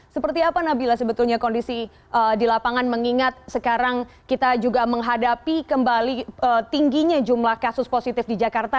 seperti apa nabila sebetulnya kondisi di lapangan mengingat sekarang kita juga menghadapi kembali tingginya jumlah kasus positif di jakarta